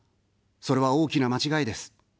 それは大きな間違いです。